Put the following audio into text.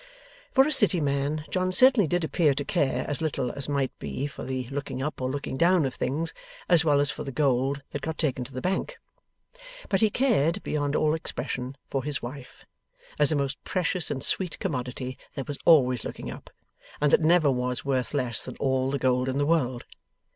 For a City man, John certainly did appear to care as little as might be for the looking up or looking down of things, as well as for the gold that got taken to the Bank. But he cared, beyond all expression, for his wife, as a most precious and sweet commodity that was always looking up, and that never was worth less than all the gold in the world.